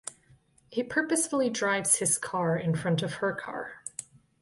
He purposely drives his car in front of her car.